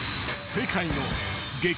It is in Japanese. ［世界の激